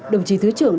đồng chí thứ trưởng